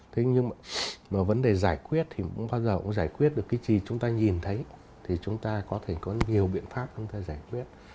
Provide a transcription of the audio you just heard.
thế nhưng mà vấn đề giải quyết thì cũng bao giờ cũng giải quyết được cái gì chúng ta nhìn thấy thì chúng ta có thể có nhiều biện pháp chúng ta giải quyết